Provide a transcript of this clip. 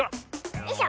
よいしょ。